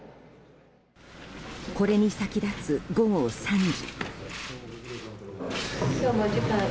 これに先立つ午後３時。